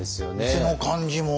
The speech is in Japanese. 店の感じも。